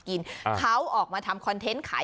นี่คือเทคนิคการขาย